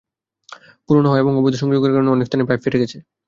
পুরোনো হওয়ায় এবং অবৈধ সংযোগের কারণে অনেক স্থানেই পাইপ ফেটে গেছে।